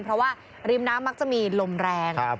เพราะว่าริมน้ำมักจะมีลมแรง